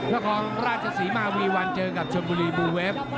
และของราชศรีมาร์วีวันเจอกับชมบุรีบูเวฟ